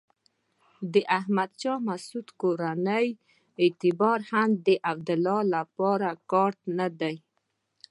د احمد شاه مسعود کورنۍ اعتبار هم د عبدالله لپاره کارت نه دی.